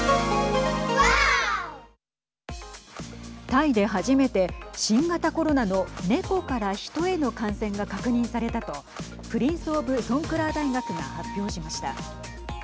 タイで初めて新型コロナのネコからヒトへの感染が確認されたとプリンス・オブ・ソンクラー大学が発表しました。